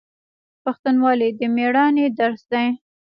پښتونولي د میړانې درس دی.